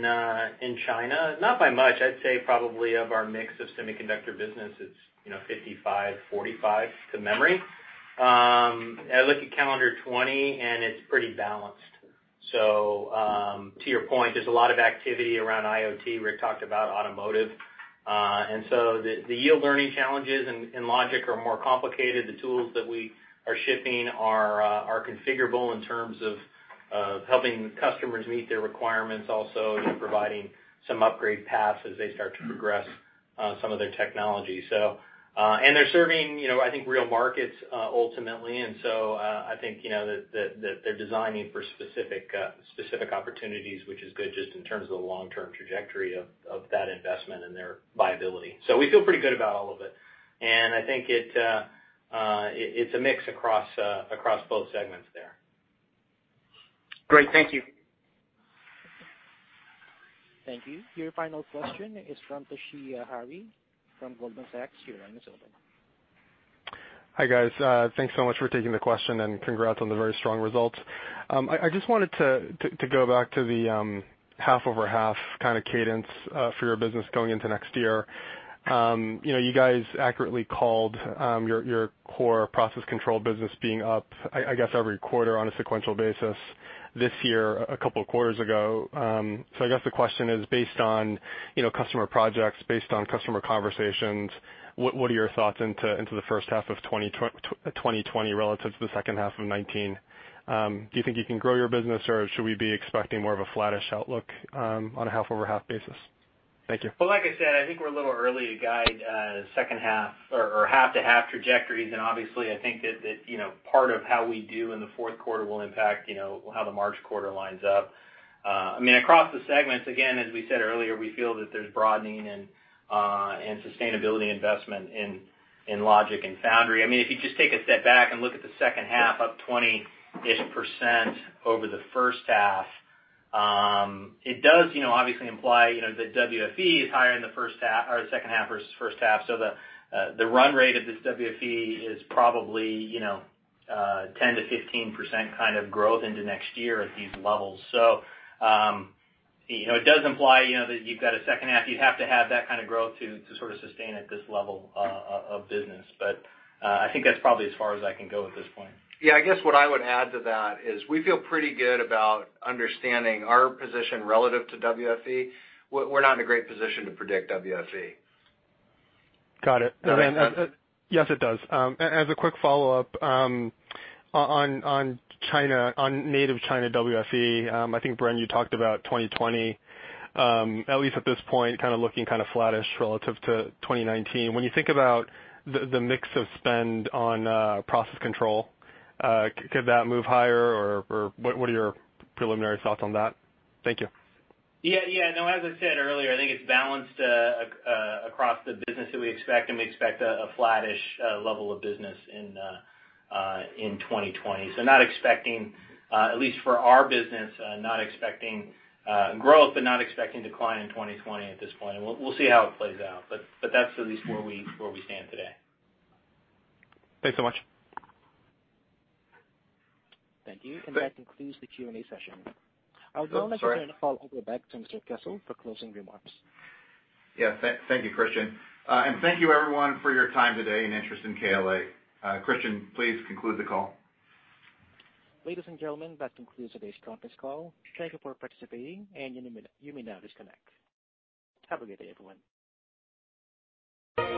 Speaker 4: China. Not by much. I'd say probably of our mix of semiconductor business, it's 55/45 to memory. I look at calendar 2020, and it's pretty balanced. To your point, there's a lot of activity around IoT. Rick talked about automotive. The yield learning challenges in logic are more complicated. The tools that we are shipping are configurable in terms of helping customers meet their requirements, also providing some upgrade paths as they start to progress some of their technology. They're serving real markets, ultimately. I think that they're designing for specific opportunities, which is good just in terms of the long-term trajectory of that investment and their viability. We feel pretty good about all of it, and I think it's a mix across both segments there.
Speaker 13: Great. Thank you.
Speaker 1: Thank you. Your final question is from Toshiya Hari from Goldman Sachs. Your line is open.
Speaker 14: Hi, guys. Thanks so much for taking the question, and congrats on the very strong results. I just wanted to go back to the half-over-half kind of cadence for your business going into next year. You guys accurately called your core Process Control business being up, I guess, every quarter on a sequential basis this year, a couple of quarters ago. I guess the question is based on customer projects, based on customer conversations, what are your thoughts into the first half of 2020 relative to the second half of 2019? Do you think you can grow your business, or should we be expecting more of a flattish outlook on a half-over-half basis? Thank you.
Speaker 4: Well, like I said, I think we're a little early to guide second half or half-to-half trajectories. Obviously I think that part of how we do in the fourth quarter will impact how the March quarter lines up. Across the segments, again, as we said earlier, we feel that there's broadening and sustainability investment in logic and foundry. If you just take a step back and look at the second half up 20-ish% over the first half, it does obviously imply that WFE is higher in the second half versus first half. The run rate of this WFE is probably 10%-15% kind of growth into next year at these levels. It does imply that you've got a second half, you'd have to have that kind of growth to sort of sustain at this level of business. I think that's probably as far as I can go at this point.
Speaker 3: Yeah, I guess what I would add to that is we feel pretty good about understanding our position relative to WFE. We're not in a great position to predict WFE.
Speaker 14: Got it.
Speaker 3: Does that answer?
Speaker 14: Yes, it does. As a quick follow-up, on native China WFE, I think, Bren, you talked about 2020, at least at this point, kind of looking kind of flattish relative to 2019. When you think about the mix of spend on process control, could that move higher, or what are your preliminary thoughts on that? Thank you.
Speaker 4: Yeah. No, as I said earlier, I think it's balanced across the business that we expect. We expect a flattish level of business in 2020. Not expecting, at least for our business, not expecting growth, but not expecting decline in 2020 at this point. We'll see how it plays out. That's at least where we stand today.
Speaker 14: Thanks so much.
Speaker 1: Thank you.
Speaker 3: Thanks.
Speaker 1: That concludes the Q&A session.
Speaker 3: Oh, sorry.
Speaker 1: I'll now turn the call over back to Mr. Kessel for closing remarks.
Speaker 2: Yeah. Thank you, Christian. Thank you everyone for your time today and interest in KLA. Christian, please conclude the call.
Speaker 1: Ladies and gentlemen, that concludes today's conference call. Thank you for participating, and you may now disconnect. Have a good day, everyone.